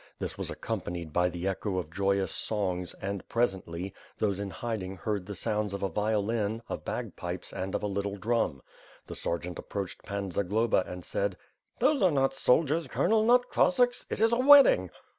This was accompanied by the echo of joyous songs and, presently, those in hiding heard the sounds of a violin, of bagpipes, and of a little drum. The sergeant approached Pan Zagloba and said: "Those are not soldiers. Colonel, not Cossacks. It is a wedding."